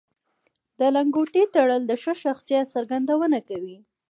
د لنګوټې تړل د ښه شخصیت څرګندونه کوي